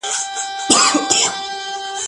زه مخکې اوبه څښلې وې!.